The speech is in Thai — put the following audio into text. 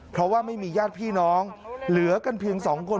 เพราะว่าไม่มีญาติพี่น้องเหลือกันเพียง๒คน